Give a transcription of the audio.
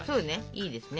いいですね。